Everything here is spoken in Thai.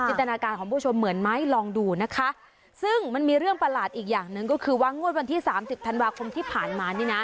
ตนาการของผู้ชมเหมือนไหมลองดูนะคะซึ่งมันมีเรื่องประหลาดอีกอย่างหนึ่งก็คือว่างวดวันที่สามสิบธันวาคมที่ผ่านมานี่นะ